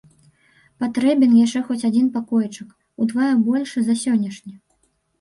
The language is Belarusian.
Патрэбен яшчэ хоць адзін пакойчык, удвая большы за сённяшні.